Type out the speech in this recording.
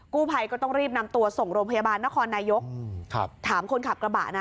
กู้ภัยก็ต้องรีบนำตัวส่งโรงพยาบาลนครนายกถามคนขับกระบะนะ